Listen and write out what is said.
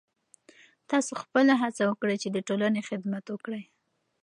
تاسو خپله هڅه وکړئ چې د ټولنې خدمت وکړئ.